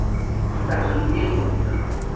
Su taxonomía es confusa.